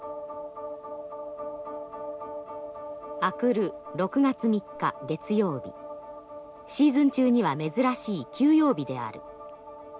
明くる６月３日月曜日シーズン中には珍しい休養日である。